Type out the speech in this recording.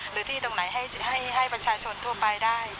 หรือที่ตรงไหนให้ประชาชนทั่วไปได้